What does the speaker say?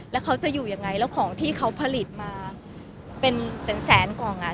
แล้วเขาจะอยู่ยังไงแล้วของที่เขาผลิตมาเป็นแสนกล่องอ่ะ